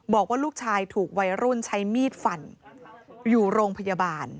บอกว่าลูกชายถูกวัยรุ่นใช้มีดฟันอยู่โรงพยาบาล